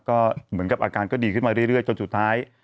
ก็เหมือนกับอาการก็ดีขึ้นมาเรื่อยจนสุดท้าย